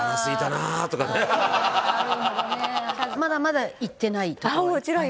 まだまだ行ってない所は？